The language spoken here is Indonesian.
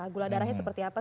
gula darahnya seperti apa